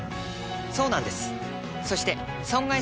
そうなんです。